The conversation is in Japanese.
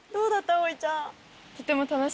あおいちゃん。